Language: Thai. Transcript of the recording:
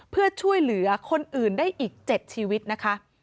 เพื่อช่วยเหลือคนอื่นได้อีก๗ชีวิตนะคะ